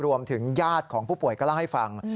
ญาติของผู้ป่วยก็เล่าให้ฟัง